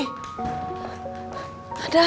kita berjalan masuk ke suatu tempat